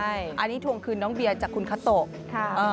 อันนี้ทวงคืนน้องเบียร์จากคุณคาโตะ